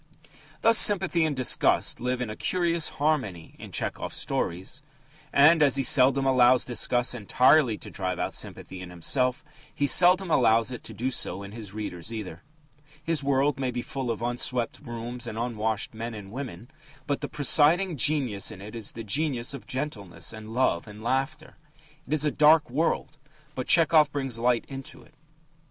'" Thus sympathy and disgust live in a curious harmony in Tchehov's stories. And, as he seldom allows disgust entirely to drive out sympathy in himself, he seldom allows it to do so in his readers either. His world may be full of unswept rooms and unwashed men and women, but the presiding genius in it is the genius of gentleness and love and laughter. It is a dark world, but Tchehov brings light into it.